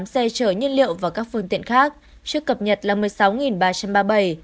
một mươi sáu bốn trăm một mươi tám xe chở nhiên liệu vào các phương tiện khác trước cập nhật là một mươi sáu ba trăm ba mươi bảy